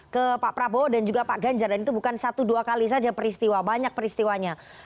ke pak prabowo dan juga pak ganjar dan itu bukan satu dua kali saja peristiwa banyak peristiwanya